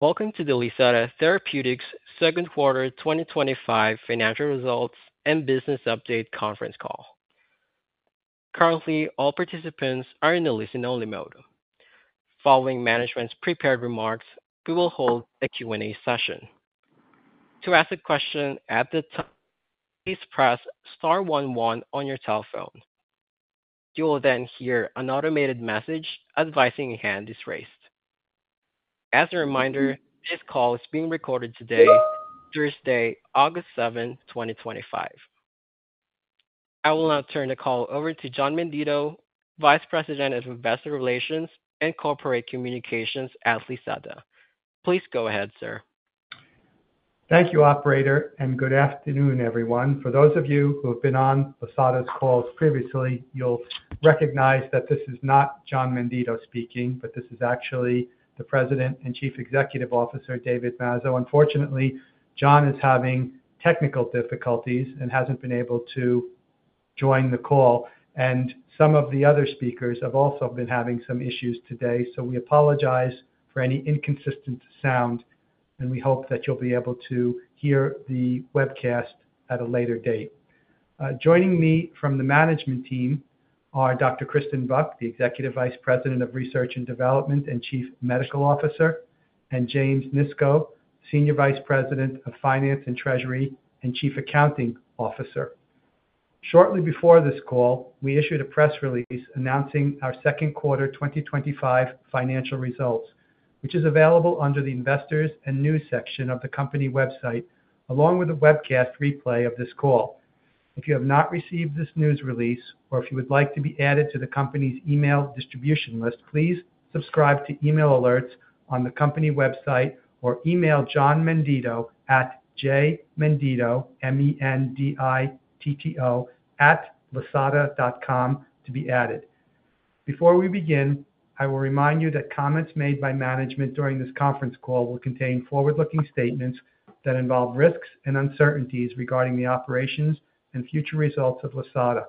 Welcome to the Lisata Therapeutics Q2 2025 Financial Results and Business Update Conference Call. Currently, all participants are in the listen-only mode. Following management's prepared remarks, we will hold a Q&A session. To ask a question at this time, please press star one one on your telephone. You will then hear an automated message advising your hand is raised. As a reminder, this call is being recorded today, Thursday, August 7, 2025. I will now turn the call over to John Menditto, Vice President of Investor Relations and Corporate Communications at Lisata. Please go ahead, sir. Thank you, Operator, and good afternoon, everyone. For those of you who have been on Lisata's calls previously, you'll recognize that this is not John Menditto speaking, but this is actually the President and Chief Executive Officer, David Mazzo. Unfortunately, John is having technical difficulties and hasn't been able to join the call, and some of the other speakers have also been having some issues today, so we apologize for any inconsistent sound, and we hope that you'll be able to hear the webcast at a later date. Joining me from the management team are Dr. Kristen Buck, the Executive Vice President of Research and Development and Chief Medical Officer, and James Nisco, Senior Vice President of Finance and Treasury and Chief Accounting Officer. Shortly before this call, we issued a press release announcing our second quarter 2025 financial results, which is available under the Investors and News section of the company website, along with a webcast replay of this call. If you have not received this news release or if you would like to be added to the company's email distribution list, please subscribe to email alerts on the company website or email John Menditto at jmenditto, M-E-N-D-I-T-T-O, at lisata.com to be added. Before we begin, I will remind you that comments made by management during this conference call will contain forward-looking statements that involve risks and uncertainties regarding the operations and future results of Lisata.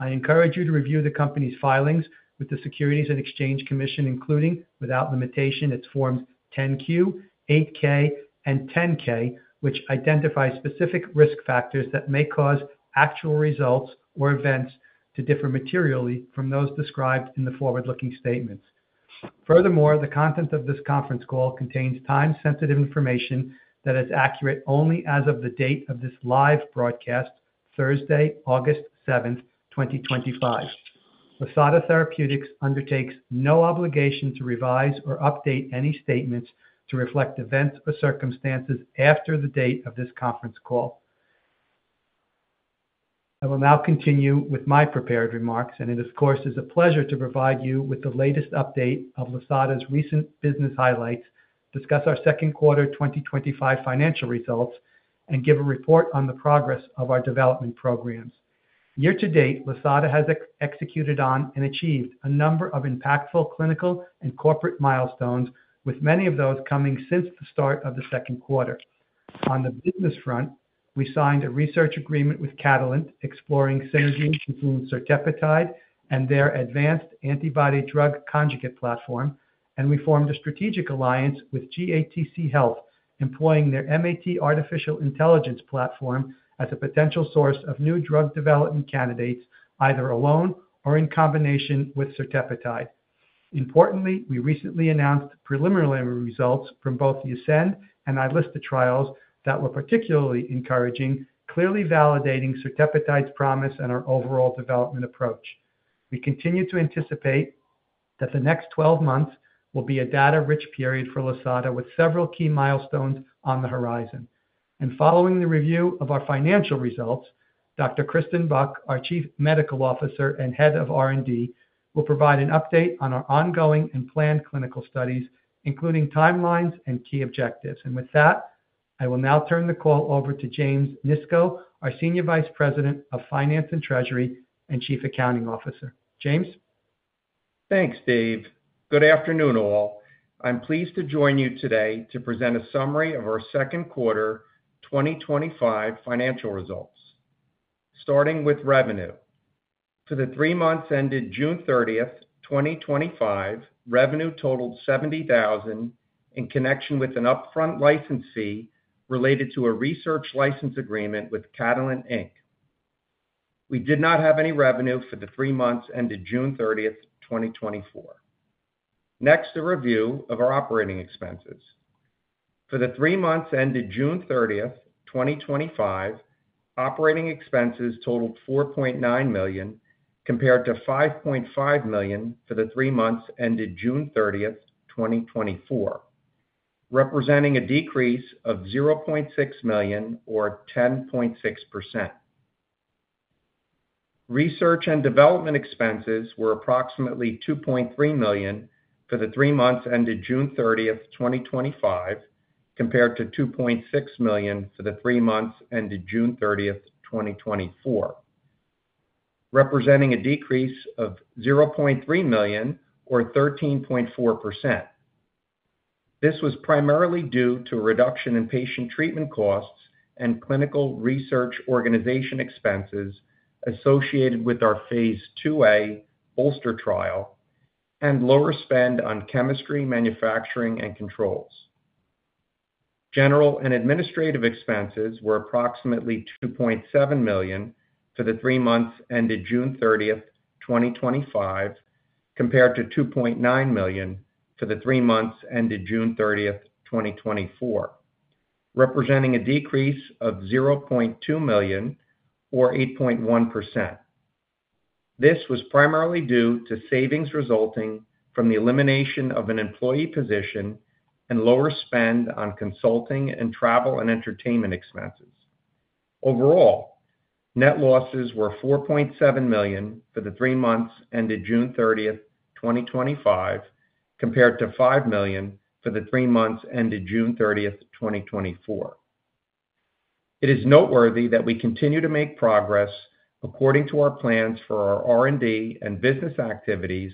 I encourage you to review the company's filings with the Securities and Exchange Commission, including without limitation its forms 10-Q, 8-K, and 10-K, which identify specific risk factors that may cause actual results or events to differ materially from those described in the forward-looking statements. Furthermore, the content of this conference call contains time-sensitive information that is accurate only as of the date of this live broadcast, Thursday, August 7, 2025. Lisata Therapeutics undertakes no obligation to revise or update any statements to reflect events or circumstances after the date of this conference call. I will now continue with my prepared remarks, and it, of course, is a pleasure to provide you with the latest update of Lisata's recent business highlights, discuss our second quarter 2025 financial results, and give a report on the progress of our development programs. Year to date, Lisata has executed on and achieved a number of impactful clinical and corporate milestones, with many of those coming since the start of the second quarter. On the business front, we signed a research agreement with Catalent, exploring synergies between Certepetide and their advanced antibody drug conjugate platform, and we formed a strategic alliance with GATC Health, employing their MAT AI platform as a potential source of new drug development candidates, either alone or in combination with Certepetide. Importantly, we recently announced preliminary results from both the ASCEND and iLSTA trials that were particularly encouraging, clearly validating Certepetide's promise and our overall development approach. We continue to anticipate that the next 12 months will be a data-rich period for Lisata, with several key milestones on the horizon. Following the review of our financial results, Dr. Kristen Buck, our Chief Medical Officer and Head of R&D, will provide an update on our ongoing and planned clinical studies, including timelines and key objectives. I will now turn the call over to James Nisco, our Senior Vice President of Finance and Treasury and Chief Accounting Officer. James. Thanks, Steve. Good afternoon all. I'm pleased to join you today to present a summary of our second quarter 2025 financial results. Starting with revenue. For the three months ended June 30th, 2025, revenue totaled $70,000 in connection with an upfront license fee related to a research license agreement with Catalent, Inc. We did not have any revenue for the three months ended June 30th, 2024. Next, a review of our operating expenses. For the three months ended June 30th, 2025, operating expenses totaled $4.9 million, compared to $5.5 million for the three months ended June 30th, 2024, representing a decrease of $0.6 million or 10.6%. Research and development expenses were approximately $2.3 million for the three months ended June 30th, 2025, compared to $2.6 million for the three months ended June 30th, 2024, representing a decrease of $0.3 million or 13.4%. This was primarily due to a reduction in patient treatment costs and clinical research organization expenses associated with our phase IIa BOLSTER trial and lower spend on chemistry, manufacturing, and controls. General and administrative expenses were approximately $2.7 million for the three months ended June 30th, 2025, compared to $2.9 million for the three months ended June 30th, 2024, representing a decrease of $0.2 million or 8.1%. This was primarily due to savings resulting from the elimination of an employee position and lower spend on consulting and travel and entertainment expenses. Overall, net losses were $4.7 million for the three months ended June 30th, 2025, compared to $5 million for the three months ended June 30th, 2024. It is noteworthy that we continue to make progress according to our plans for our R&D and business activities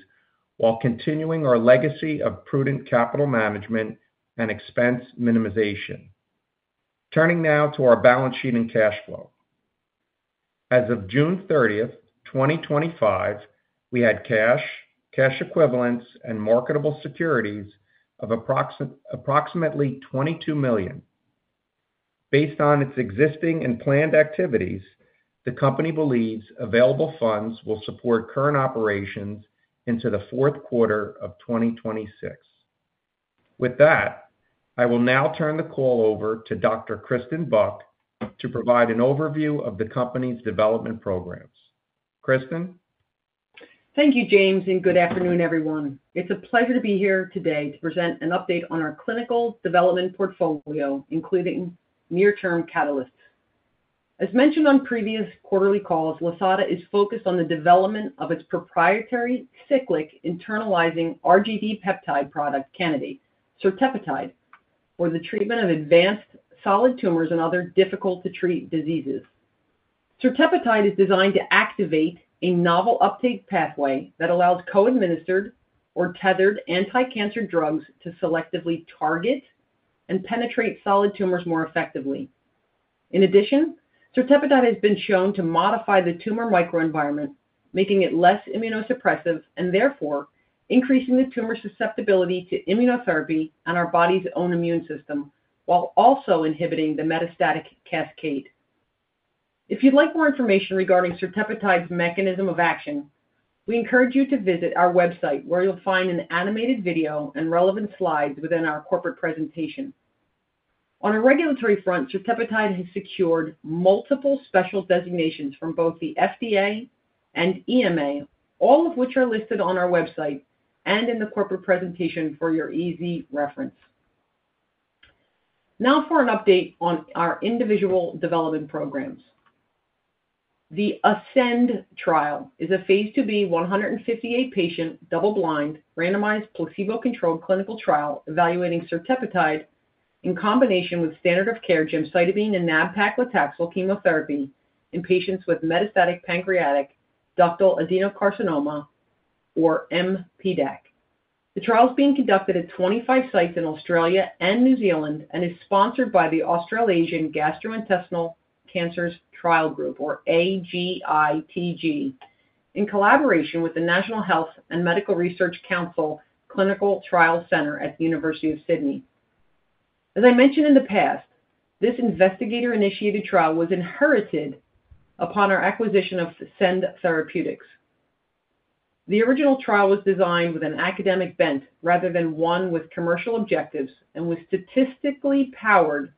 while continuing our legacy of prudent capital management and expense minimization. Turning now to our balance sheet and cash flow. As of June 30th, 2025, we had cash, cash equivalents, and marketable securities of approximately $22 million. Based on its existing and planned activities, the company believes available funds will support current operations into the fourth quarter of 2026. With that, I will now turn the call over to Dr. Kristen Buck to provide an overview of the company's development programs. Kristen. Thank you, James, and good afternoon, everyone. It's a pleasure to be here today to present an update on our clinical development portfolio, including near-term catalysts. As mentioned on previous quarterly calls, Lisata is focused on the development of its proprietary cyclic internalizing RGD peptide product candidate, Certepetide, for the treatment of advanced solid tumors and other difficult-to-treat diseases. Certepetide is designed to activate a novel uptake pathway that allows co-administered or tethered anti-cancer drugs to selectively target and penetrate solid tumors more effectively. In addition, Certepetide has been shown to modify the tumor microenvironment, making it less immunosuppressive and therefore increasing the tumor's susceptibility to immunotherapy or our body's own immune system while also inhibiting the metastatic cascade. If you'd like more information regarding Certepetide's mechanism of action, we encourage you to visit our website, where you'll find an animated video and relevant slides within our corporate presentation. On a regulatory front, Certepetide has secured multiple special designations from both the FDA and EMA, all of which are listed on our website and in the corporate presentation for your easy reference. Now for an update on our individual development programs. The ASCEND trial is a phase 2b, 158-patient, double-blind, randomized placebo-controlled clinical trial evaluating Certepetide in combination with standard-of-care gemcitabine and nab-paclitaxel chemotherapy in patients with metastatic pancreatic ductal adenocarcinoma, or MPDAC. The trial is being conducted at 25 sites in Australia and New Zealand and is sponsored by the Australasian Gastro-Intestinal Cancers Trial Group, or AGITG, in collaboration with the National Health and Medical Research Council Clinical Trial Centre at the University of Sydney. As I mentioned in the past, this investigator-initiated trial was inherited upon our acquisition of Cend Therapeutics. The original trial was designed with an academic bent rather than one with commercial objectives and was statistically powered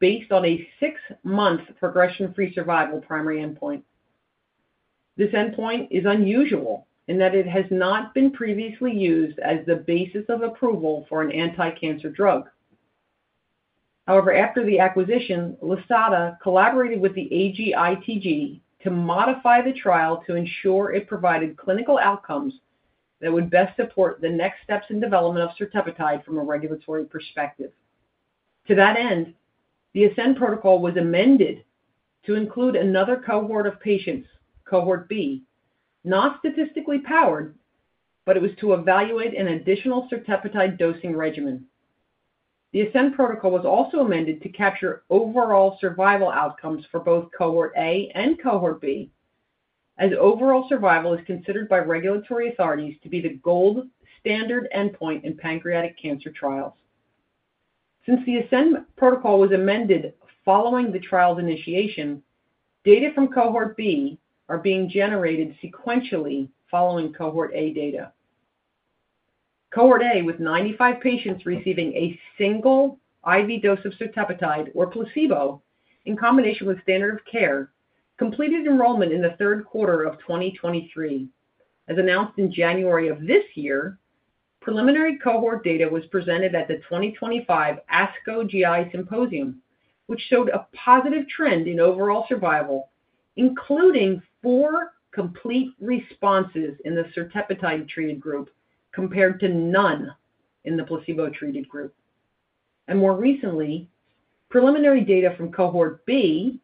based on a six-month progression-free survival primary endpoint. This endpoint is unusual in that it has not been previously used as the basis of approval for an anti-cancer drug. However, after the acquisition, Lisata collaborated with the AGITG to modify the trial to ensure it provided clinical outcomes that would best support the next steps in development of Certepetide from a regulatory perspective. To that end, the ASCEND protocol was amended to include another cohort of patients, Cohort B, not statistically powered, but it was to evaluate an additional Certepetide dosing regimen. The ASCEND protocol was also amended to capture overall survival outcomes for both Cohort A and Cohort B, as overall survival is considered by regulatory authorities to be the gold standard endpoint in pancreatic cancer trials. Since the ASCEND protocol was amended following the trial's initiation, data from Cohort B are being generated sequentially following Cohort A data. Cohort A, with 95 patients receiving a single IV dose of Certepetide or placebo in combination with standard of care, completed enrollment in the third quarter of 2023. As announced in January of this year, preliminary cohort data was presented at the 2025 ASCO GI Symposium, which showed a positive trend in overall survival, including four complete responses in the Certepetide-treated group compared to none in the placebo-treated group. More recently, preliminary data from Cohort B,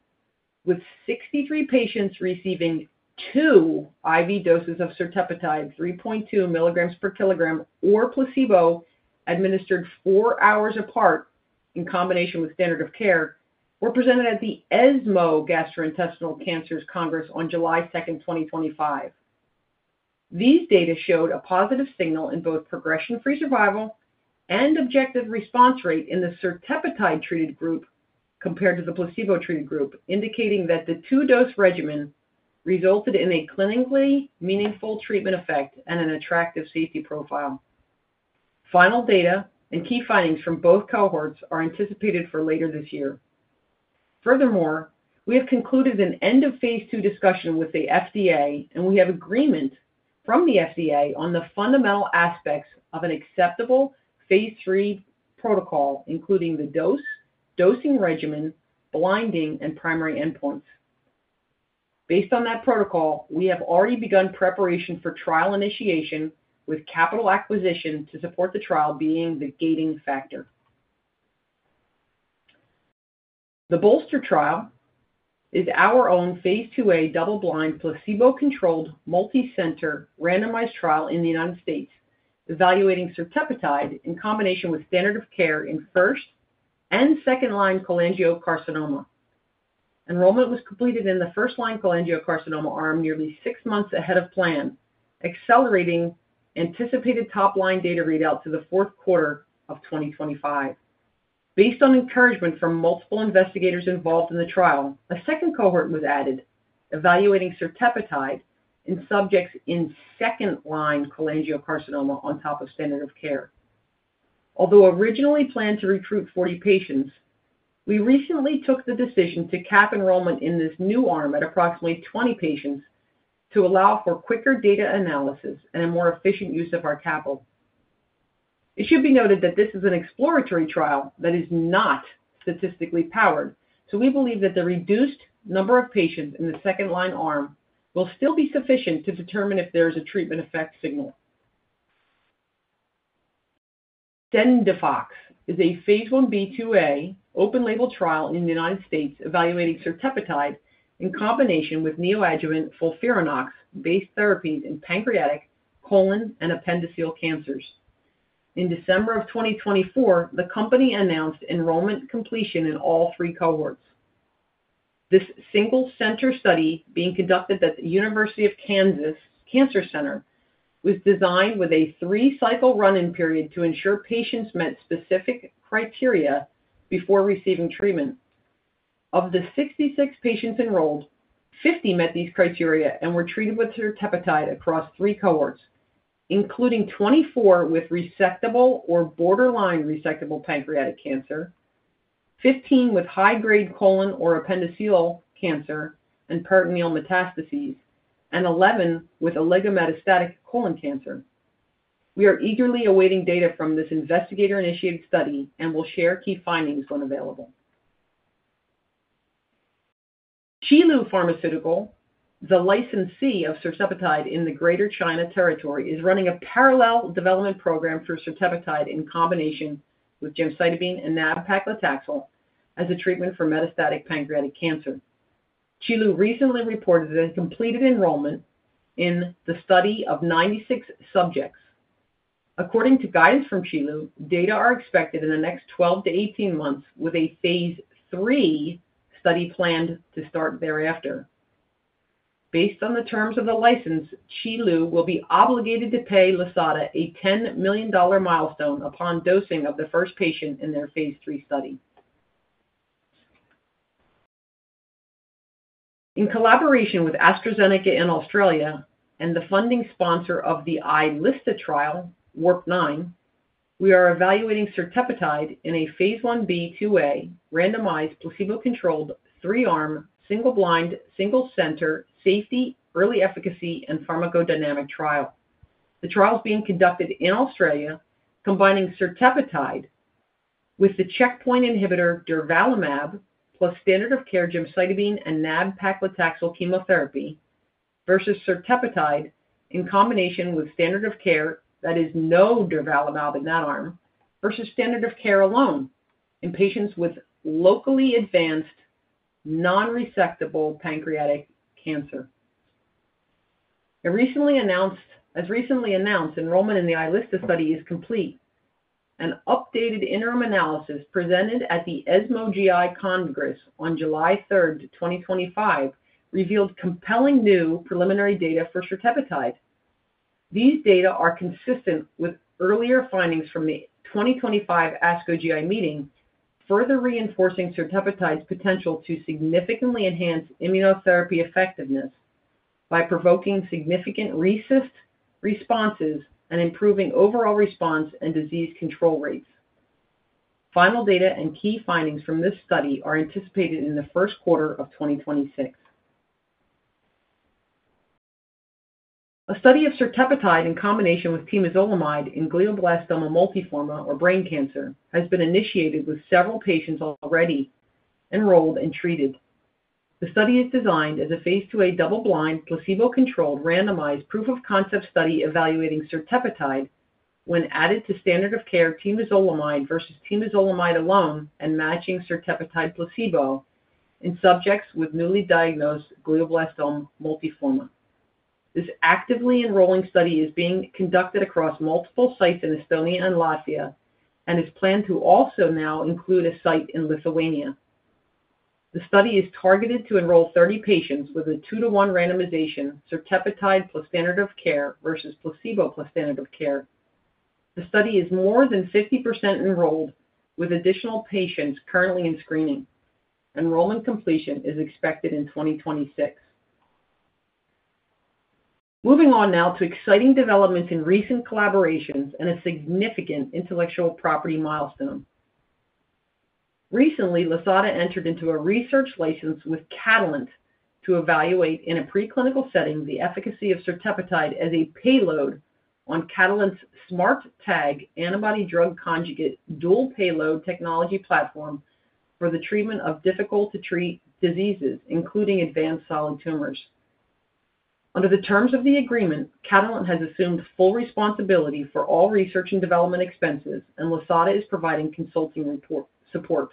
with 63 patients receiving two IV doses of Certepetide, 3.2 mg per kilogram or placebo, administered four hours apart in combination with standard of care, were presented at the ESMO Gastrointestinal Cancers Congress on July 2, 2025. These data showed a positive signal in both progression-free survival and objective response rate in the Certepetide-treated group compared to the placebo-treated group, indicating that the two-dose regimen resulted in a clinically meaningful treatment effect and an attractive safety profile. Final data and key findings from both cohorts are anticipated for later this year. Furthermore, we have concluded an end-of-phase two discussion with the FDA, and we have agreement from the FDA on the fundamental aspects of an acceptable phase three protocol, including the dose, dosing regimen, blinding, and primary endpoints. Based on that protocol, we have already begun preparation for trial initiation with capital acquisition to support the trial being the gating factor. The BOLSTER trial is our own phase IIa double-blind placebo-controlled multicenter randomized trial in the U.S., evaluating Certepetide in combination with standard of care in first and second-line cholangiocarcinoma. Enrollment was completed in the first-line cholangiocarcinoma arm nearly six months ahead of plan, accelerating anticipated top-line data readout to the fourth quarter of 2025. Based on encouragement from multiple investigators involved in the trial, a second cohort was added, evaluating Certepetide in subjects in second-line cholangiocarcinoma on top of standard of care. Although originally planned to recruit 40 patients, we recently took the decision to cap enrollment in this new arm at approximately 20 patients to allow for quicker data analysis and a more efficient use of our capital. It should be noted that this is an exploratory trial that is not statistically powered, so we believe that the reduced number of patients in the second-line arm will still be sufficient to determine if there is a treatment effect signal. CENDIFOX is a phase Ib/IIa open-label trial in the U.S. evaluating Certepetide in combination with neoadjuvant FOLFIRINOX-based therapies in pancreatic, colon, and appendiceal cancers. In December of 2024, the company announced enrollment completion in all three cohorts. This single-center study being conducted at the University of Kansas Cancer Center was designed with a three-cycle run-in period to ensure patients met specific criteria before receiving treatment. Of the 66 patients enrolled, 50 met these criteria and were treated with Certepetide across three cohorts, including 24 with resectable or borderline resectable pancreatic cancer, 15 with high-grade colon or appendiceal cancer and peritoneal metastases, and 11 with oligometastatic colon cancer. We are eagerly awaiting data from this investigator-initiated study and will share key findings when available. Qilu Pharmaceutical, the licensee of Certepetide in the Greater China Territory, is running a parallel development program through Certepetide in combination with gemcitabine and nab-paclitaxel as a treatment for metastatic pancreatic cancer. Qilu recently reported that it completed enrollment in the study of 96 subjects. According to guidance from Qilu, data are expected in the next 12 to 18 months with a phase III study planned to start thereafter. Based on the terms of the license, Qilu will be obligated to pay Lisata a $10 million milestone upon dosing of the first patient in their phase III study. In collaboration with AstraZeneca in Australia and the funding sponsor of the iLSTA trial, WARPNINE, we are evaluating Certepetide in a phase Ib/IIa randomized placebo-controlled three-arm, single-blind, single-center safety, early efficacy, and pharmacodynamic trial. The trial is being conducted in Australia, combining Certepetide with the checkpoint inhibitor durvalumab plus standard-of-care gemcitabine and nab-paclitaxel chemotherapy versus Certepetide in combination with standard-of-care that is no durvalumab in that arm versus standard-of-care alone in patients with locally advanced non-resectable pancreatic cancer. As recently announced, enrollment in the iLSTA study is complete. An updated interim analysis presented at the ESMO GI Congress on July 3rd, 2025, revealed compelling new preliminary data for Certepetide. These data are consistent with earlier findings from the 2025 ASCO GI meeting, further reinforcing Certepetide's potential to significantly enhance immunotherapy effectiveness by provoking significant resist responses and improving overall response and disease control rates. Final data and key findings from this study are anticipated in the first quarter of 2026. A study of Certepetide in combination with temozolomide in glioblastoma multiforme, or brain cancer, has been initiated with several patients already enrolled and treated. The study is designed as a phase IIa double-blind placebo-controlled randomized proof-of-concept study evaluating Certepetide when added to standard-of-care temozolomide versus temozolomide alone and matching Certepetide placebo in subjects with newly diagnosed glioblastoma multiforme. This actively enrolling study is being conducted across multiple sites in Estonia and Latvia and is planned to also now include a site in Lithuania. The study is targeted to enroll 30 patients with a two-to-one randomization Certepetide plus standard of care versus placebo plus standard of care. The study is more than 50% enrolled with additional patients currently in screening. Enrollment completion is expected in 2026. Moving on now to exciting developments in recent collaborations and a significant intellectual property milestone. Recently, Lisata entered into a research license with Catalent to evaluate in a preclinical setting the efficacy of Certepetide as a payload on Catalent's SMARTag antibody drug conjugate dual payload technology platform for the treatment of difficult-to-treat diseases, including advanced solid tumors. Under the terms of the agreement, Catalent has assumed full responsibility for all research and development expenses, and Lisata is providing consulting support.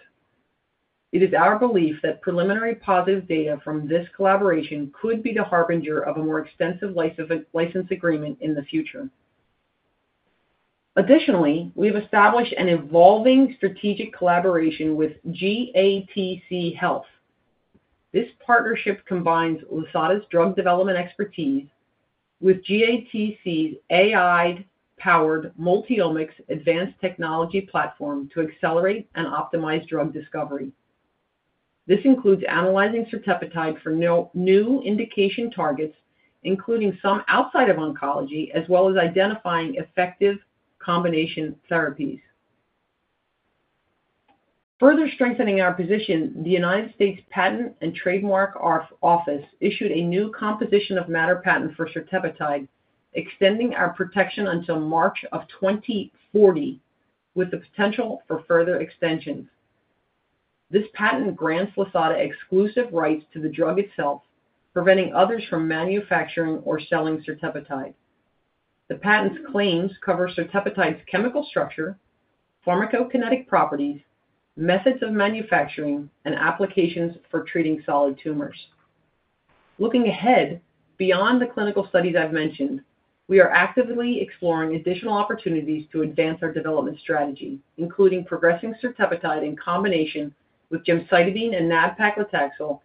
It is our belief that preliminary positive data from this collaboration could be the harbinger of a more extensive license agreement in the future. Additionally, we have established an evolving strategic collaboration with GATC Health. This partnership combines Lisata's drug development expertise with GATC's AI-powered multiomics advanced technology platform to accelerate and optimize drug discovery. This includes analyzing Certepetide for new indication targets, including some outside of oncology, as well as identifying effective combination therapies. Further strengthening our position, the United States Patent and Trademark Office issued a new composition of matter patent for Certepetide, extending our protection until March of 2040, with the potential for further extension. This patent grants Lisata exclusive rights to the drug itself, preventing others from manufacturing or selling Certepetide. The patent's claims cover Certepetide's chemical structure, pharmacokinetic properties, methods of manufacturing, and applications for treating solid tumors. Looking ahead, beyond the clinical studies I've mentioned, we are actively exploring additional opportunities to advance our development strategy, including progressing Certepetide in combination with gemcitabine and nab-paclitaxel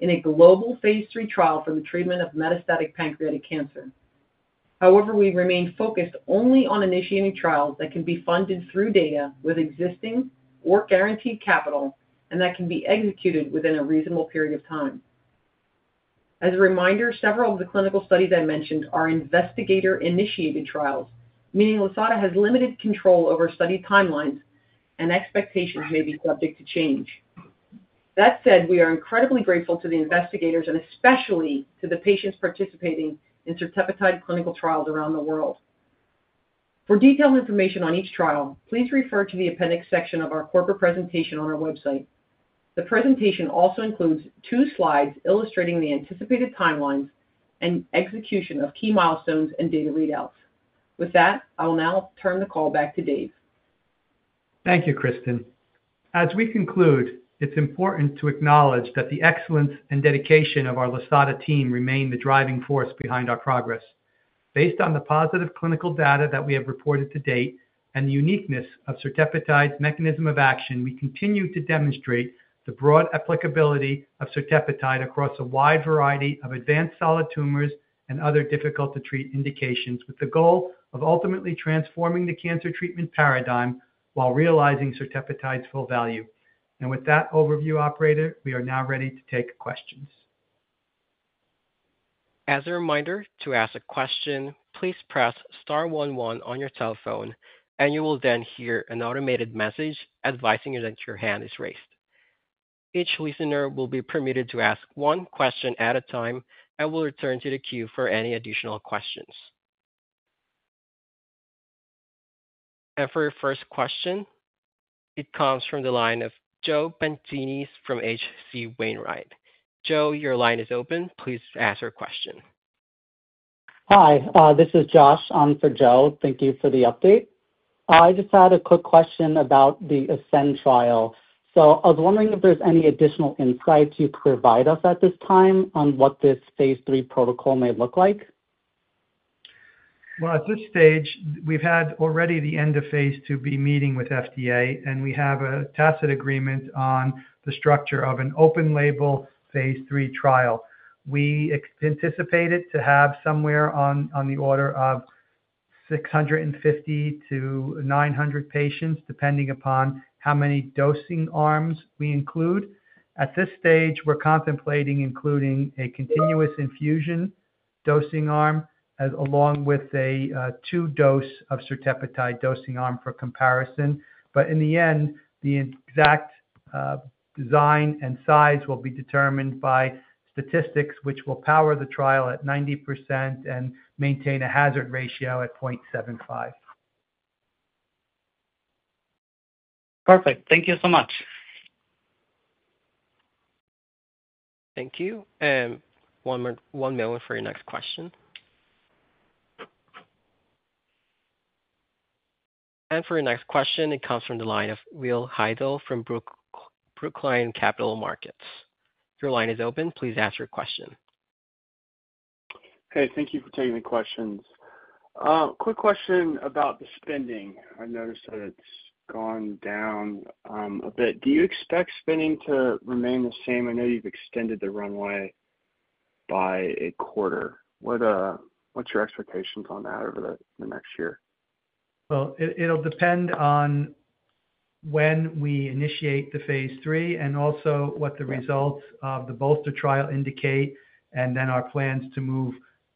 in a global phase III trial for the treatment of metastatic pancreatic cancer. However, we remain focused only on initiating trials that can be funded through data with existing or guaranteed capital and that can be executed within a reasonable period of time. As a reminder, several of the clinical studies I mentioned are investigator-initiated trials, meaning Lisata has limited control over study timelines and expectations may be subject to change. That said, we are incredibly grateful to the investigators and especially to the patients participating in Certepetide clinical trials around the world. For detailed information on each trial, please refer to the appendix section of our corporate presentation on our website. The presentation also includes two slides illustrating the anticipated timelines and execution of key milestones and data readouts. With that, I will now turn the call back to Dave. Thank you, Kristen. As we conclude, it's important to acknowledge that the excellence and dedication of our Lisata team remain the driving force behind our progress. Based on the positive clinical data that we have reported to date and the uniqueness of Certepetide's mechanism of action, we continue to demonstrate the broad applicability of Certepetide across a wide variety of advanced solid tumors and other difficult-to-treat indications, with the goal of ultimately transforming the cancer treatment paradigm while realizing Certepetide's full value. With that overview, Operator, we are now ready to take questions. As a reminder, to ask a question, please press star one one on your telephone, and you will then hear an automated message advising you that your hand is raised. Each listener will be permitted to ask one question at a time and will return to the queue for any additional questions. For our first question, it comes from the line of Joe Pantginis from H.C. Wainwright. Joe, your line is open. Please ask your question. Hi, this is Josh on for Joe. Thank you for the update. I just had a quick question about the ASCEND trial. I was wondering if there's any additional insights you could provide us at this time on what this phase III protocol may look like? At this stage, we've had already the end of phase IIb meeting with FDA, and we have a tacit agreement on the structure of an open-label phase III trial. We anticipate it to have somewhere on the order of 650 to 900 patients, depending upon how many dosing arms we include. At this stage, we're contemplating including a continuous infusion dosing arm, along with a two-dose of Certepetide dosing arm for comparison. In the end, the exact design and size will be determined by statistics, which will power the trial at 90% and maintain a hazard ratio at 0.75. Perfect. Thank you so much. Thank you. One moment for your next question. For your next question, it comes from the line of Will Hidell from Brookline Capital Markets. Your line is open. Please ask your question. Thank you for taking the questions. Quick question about the spending. I noticed that it's gone down a bit. Do you expect spending to remain the same? I know you've extended the runway by a quarter. What's your expectations on that over the next year? It'll depend on when we initiate the phase III and also what the results of the BOLSTER trial indicate, and then our plans to move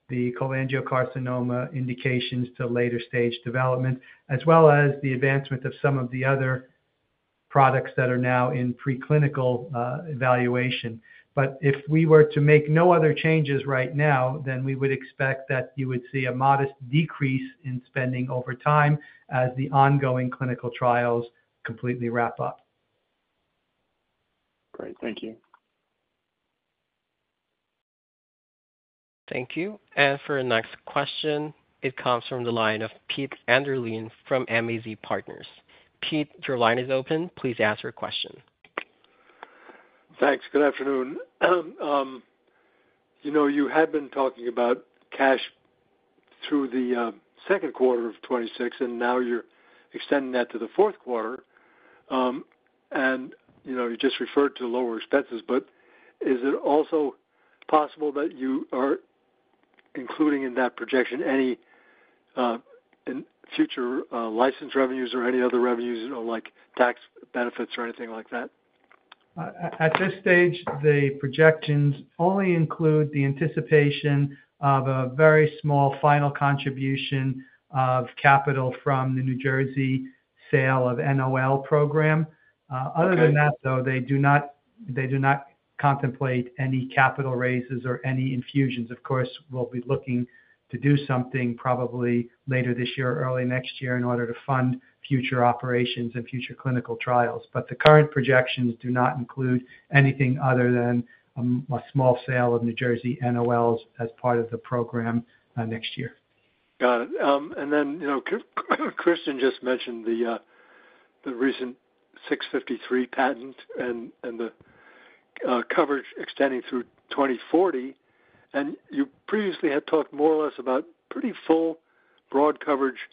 the cholangiocarcinoma indications to later-stage development, as well as the advancement of some of the other products that are now in preclinical evaluation. If we were to make no other changes right now, then we would expect that you would see a modest decrease in spending over time as the ongoing clinical trials completely wrap up. Great. Thank you. Thank you. For our next question, it comes from the line of Peter Enderlin from MAZ Partners. Peter, your line is open. Please ask your question. Thanks. Good afternoon. You had been talking about cash through the second quarter of 2026, and now you're extending that to the fourth quarter. You just referred to lower expenses, but is it also possible that you are including in that projection any future license revenues or any other revenues, like tax benefits or anything like that? At this stage, the projections only include the anticipation of a very small final contribution of capital from the New Jersey sale of NOL program. Other than that, they do not contemplate any capital raises or any infusions. Of course, we'll be looking to do something probably later this year or early next year in order to fund future operations and future clinical trials. The current projections do not include anything other than a small sale of New Jersey NOLs as part of the program next year. Got it. Kristen just mentioned the recent 653 patent and the coverage extending through 2040. You previously had talked more or less about pretty full broad coverage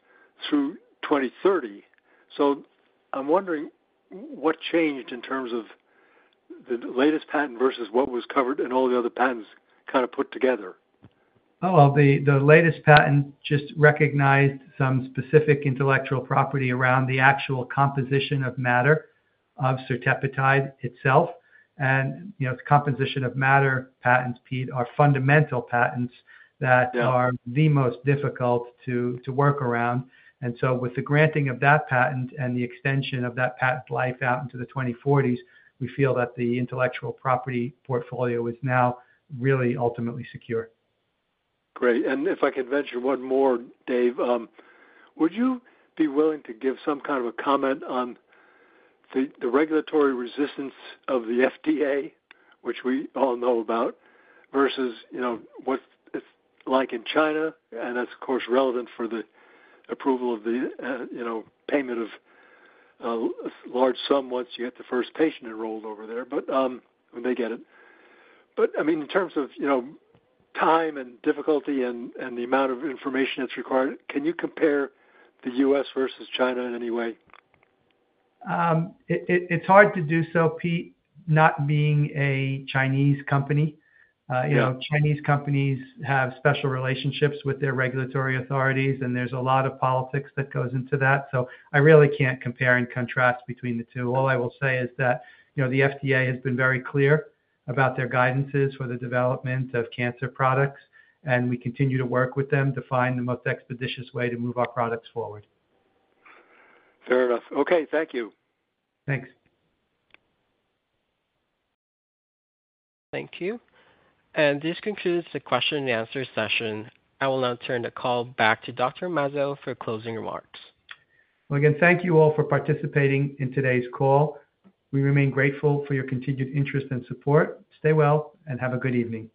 through 2030. I'm wondering what changed in terms of the latest patent versus what was covered in all the other patents kind of put together. The latest patent just recognized some specific intellectual property around the actual composition of matter of Certepetide itself. You know, the composition of matter patents, Pete, are fundamental patents that are the most difficult to work around. With the granting of that patent and the extension of that patent life out into the 2040s, we feel that the intellectual property portfolio is now really ultimately secure. Great. If I could venture one more, Dave, would you be willing to give some kind of a comment on the regulatory resistance of the FDA, which we all know about, versus what it's like in China? That's, of course, relevant for the approval of the payment of a large sum once you get the first patient enrolled over there, when they get it. I mean, in terms of time and difficulty and the amount of information that's required, can you compare the U.S. versus China in any way? It's hard to do so, Pete, not being a Chinese company. Chinese companies have special relationships with their regulatory authorities, and there's a lot of politics that goes into that. I really can't compare and contrast between the two. All I will say is that the FDA has been very clear about their guidances for the development of cancer products, and we continue to work with them to find the most expeditious way to move our products forward. Fair enough. Okay, thank you. Thanks. Thank you. This concludes the question and answer session. I will now turn the call back to Dr. Mazzo for closing remarks. Thank you all for participating in today's call. We remain grateful for your continued interest and support. Stay well and have a good evening.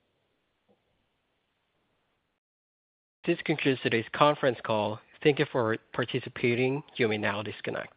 This concludes today's conference call. Thank you for participating. You may now disconnect.